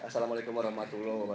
sepuluh tahun ya